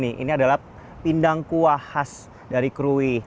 ini adalah pindang kuah khas dari krui